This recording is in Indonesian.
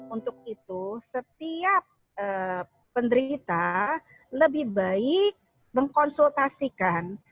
untuk itu setiap penderita lebih baik mengkonsultasikan